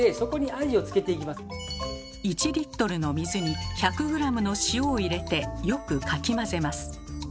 １リットルの水に１００グラムの塩を入れてよくかき混ぜます。